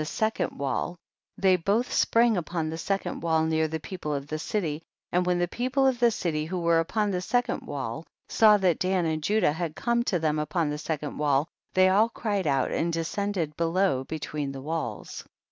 second wall, they both sprang upon the second wall near the people of the city, and when the people of the city who were upon the second wall saw that Dan and Judah had come to them upon the second wall, they all cried out and descended below be tween the walls.